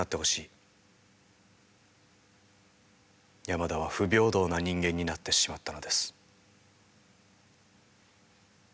山田は不平等な人間になってしまったのです。